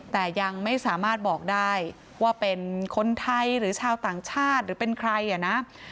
แต่ยังไม่สามารถบอกได้ว่าเป็นคนไทยหรือชาวต่างชาติหรือเป็นใครอ่ะนะ